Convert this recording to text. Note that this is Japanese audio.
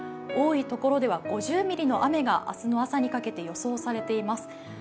多いところでは５０ミリの雨が明日の朝にかけて予想されています。